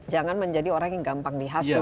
jangan menjadi orang yang gampang dihasil